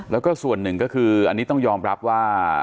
แล้วก็ส่วนหนึ่งก็คืออันนี้ต้องยอมรับว่า